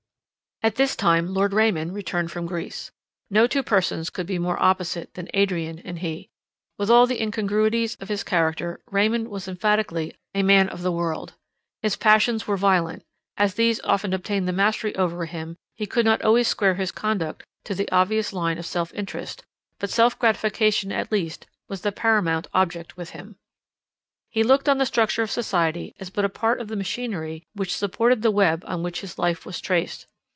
At this time Lord Raymond returned from Greece. No two persons could be more opposite than Adrian and he. With all the incongruities of his character, Raymond was emphatically a man of the world. His passions were violent; as these often obtained the mastery over him, he could not always square his conduct to the obvious line of self interest, but self gratification at least was the paramount object with him. He looked on the structure of society as but a part of the machinery which supported the web on which his life was traced.